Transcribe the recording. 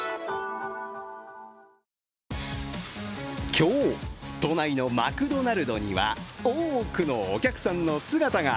今日、都内のマクドナルドには多くのお客さんの姿が。